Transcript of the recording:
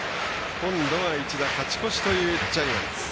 今度は一打勝ち越しというジャイアンツ。